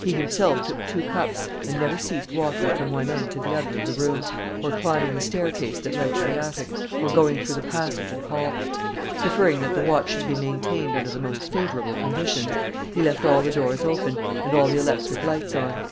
He himself took two cups and never ceased walking from one end to the other of the room, or climbing the staircase that led to the attic, or going through the passage and hall. Preferring that the watch should be maintained under the most favourable conditions, he left all the doors opened and all the electric lights on.